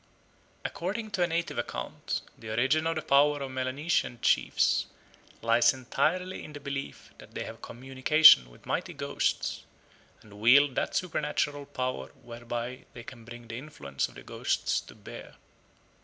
According to a native account, the origin of the power of Melanesian chiefs lies entirely in the belief that they have communication with mighty ghosts, and wield that supernatural power whereby they can bring the influence of the ghosts to bear.